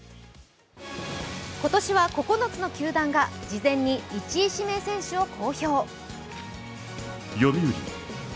今年は９つの球団が事前に１位指名選手を公表。